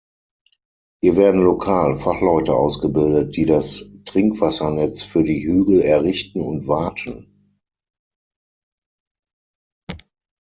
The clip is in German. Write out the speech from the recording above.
Hier werden lokal Fachleute ausgebildet, die das Trinkwassernetz für die Hügel errichten und warten.